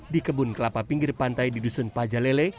di kebun kelapa pinggir pantai di dusun pajalele